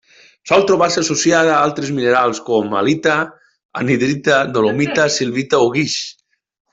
Sol trobar-se associada a altres minerals com: halita, anhidrita, dolomita, silvita o guix.